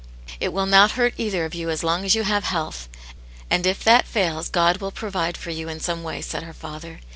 " It will not hurt either of you ai? long as you have health. And if that fails, God will provide for you in some way," said her father.